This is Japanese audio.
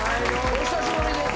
お久しぶりです。